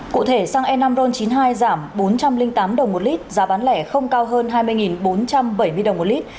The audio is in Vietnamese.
cụ thể xăng e năm ron chín mươi hai giảm bốn trăm linh tám đồng một lít giá bán lẻ không cao hơn hai mươi bốn trăm bảy mươi đồng một lít